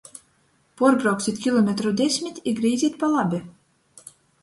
Puorbrauksit kilometru desmit i grīzit pa labi!